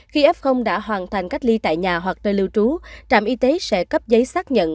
khi f đã hoàn thành cách ly tại nhà hoặc nơi lưu trú trạm y tế sẽ cấp giấy xác nhận